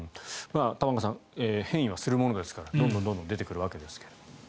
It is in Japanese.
玉川さん変異はするものですからどんどん出てくるわけですが。